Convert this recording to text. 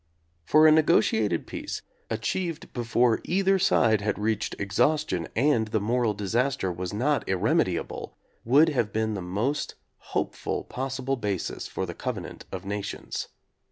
For a negotiated peace, achieved before either side had reached exhaustion and the moral disaster was not irremediable, would have been the most hopeful possible basis for the covenant of nations.